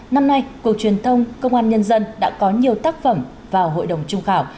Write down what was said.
năm nay cục truyền thông công an nhân dân đã có nhiều tác phẩm vào hội đồng trung khảo